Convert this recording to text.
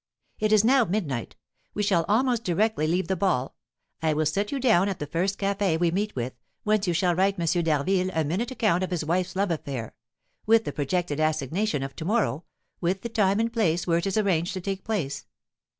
It is now midnight; we shall almost directly leave the ball, I will set you down at the first café we meet with, whence you shall write M. d'Harville a minute account of his wife's love affair, with the projected assignation of to morrow, with the time and place where it is arranged to take place.